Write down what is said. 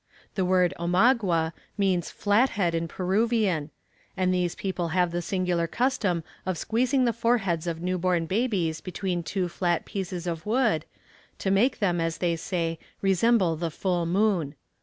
The word Omagua means flat head in Peruvian, and these people have the singular custom of squeezing the foreheads of new born babies between two flat pieces of wood, to make them, as they say, resemble the full moon.